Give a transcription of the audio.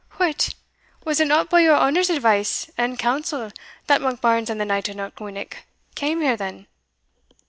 "What! was it not by your honours advice and counsel that Monkbarns and the Knight of Knockwinnock came here then?"